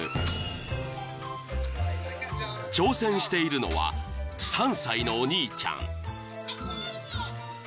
［挑戦しているのは３歳のお兄ちゃん］